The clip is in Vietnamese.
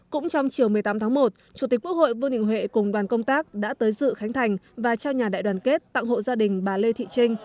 cũng trong chiều một mươi tám tháng một chủ tịch quốc hội vương đình huệ cùng đoàn công tác đã tới dự khánh thành và trao nhà đại đoàn kết tặng hộ gia đình bà lê thị trinh